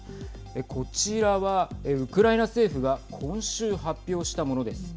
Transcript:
こちらはウクライナ政府が今週、発表したものです。